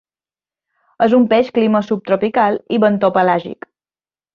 És un peix clima subtropical i bentopelàgic.